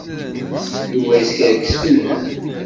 Yuba yeskerkes fell-am.